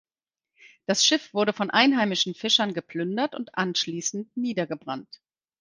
Das Schiff wurde von einheimischen Fischern geplündert und anschließend niedergebrannt.